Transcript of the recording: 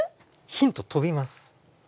ヒント飛びます。